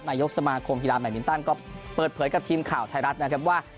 นายกสมาคมกีฬาแบตมินตันก็เปิดเผยกับทีมข่าวไทยรัฐนะครับว่า